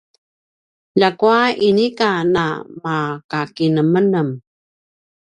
ljakua inika namakinemenem